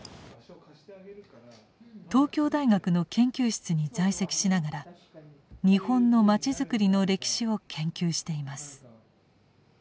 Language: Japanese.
東京大学の研究室に在籍しながら日本のまちづくりの歴史を研究しています。